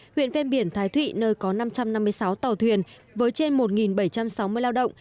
huyện ven biển thái thụy nơi có năm trăm năm mươi sáu tàu thuyền với trên một bảy trăm sáu mươi lao động